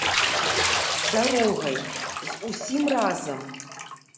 З дарогай, з усім разам.